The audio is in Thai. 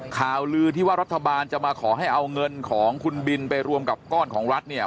ข่าวลือที่ว่ารัฐบาลจะมาขอให้เอาเงินของคุณบินไปรวมกับก้อนของรัฐเนี่ย